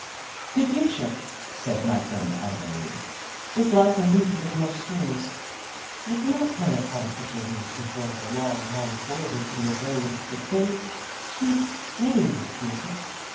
"The future," said my friend Annabel Lee, "is like a lute with no strings. You cannot play upon such a lute and fill the long, long corridors in your brain with the thin, sweet, meaningless music.